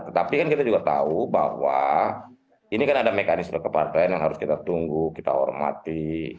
tetapi kan kita juga tahu bahwa ini kan ada mekanisme kepartean yang harus kita tunggu kita hormati